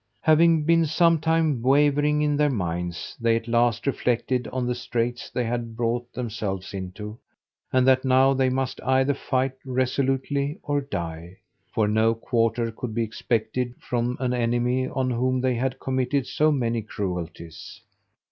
Having been some time wavering in their minds, they at last reflected on the straits they had brought themselves into, and that now they must either fight resolutely, or die; for no quarter could be expected from an enemy on whom they had committed so many cruelties.